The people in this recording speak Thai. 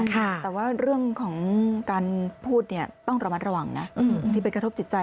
แต่ว่าเรื่องของการพูดเนี่ยต้องระมัดระวังนะที่ไปกระทบจิตใจ